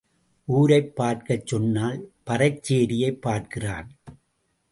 ஊரைப் பார்க்கச் சொன்னால் பறைச்சேரியைப் பார்க்கிறான்.